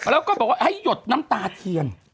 แล้วก็บอกว่าให้หยดน้ำตาเทียน